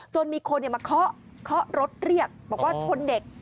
จนมีคนเนี่ยมาเคาะเคาะรถเรียกบอกว่าชนเด็ก